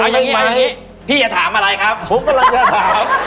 พี่อย่าถามอะไรครับ